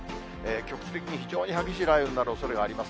局地的に非常に激しい雷雨になるおそれがあります。